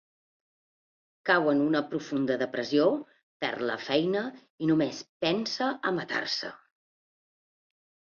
Cau en una profunda depressió, perd la feina i només pensa a matar-se.